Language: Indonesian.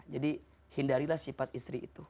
jadi hindarilah sifat istri itu